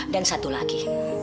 dan satu lagi